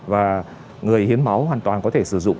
và người hiến máu hoàn toàn có thể sử dụng